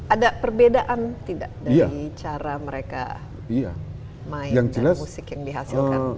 ada perbedaan tidak dari cara mereka main dan musik yang dihasilkan